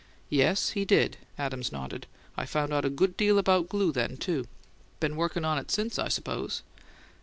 "Yes, he did." Adams nodded. "I found out a good deal about glue then, too." "Been workin' on it since, I suppose?"